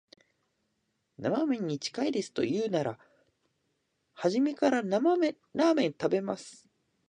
生めんに近いですと言うなら、初めから生ラーメン食べます